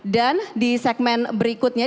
dan di segmen berikutnya